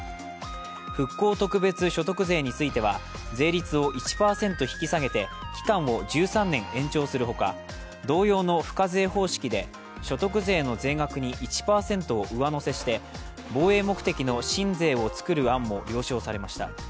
復興特別所得税については税率を１％引き下げて期間を１３年延長するほか同様の付加税方式で所得税の税額に１％を上乗せして防衛目的の新税を作る案も了承されました。